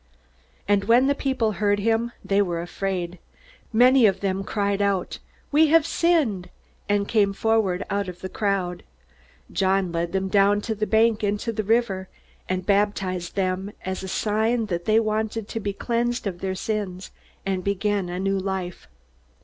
And when the people heard him, they were afraid. Many of them cried out, "We have sinned!" and came forward out of the crowd. John led them down the bank into the river and baptized them as a sign that they wanted to be cleansed of their sins and begin a new life.